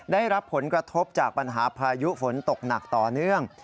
ได้รับผลกระทบจากปัญหาพายุฝนตกหนักต่อเนื่อง